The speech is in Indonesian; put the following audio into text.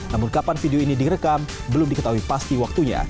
namun kapan video ini direkam belum diketahui pasti waktunya